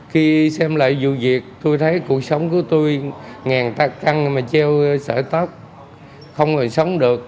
khi xem lại vụ việc tôi thấy cuộc sống của tôi ngàn ta căng mà treo sợi tóc không người sống được